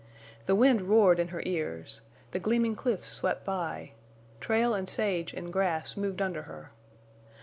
The wind roared in her ears; the gleaming cliffs swept by; trail and sage and grass moved under her.